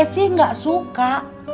esi enggak suka